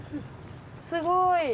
すごい。